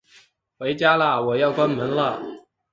回家啦，我要关门了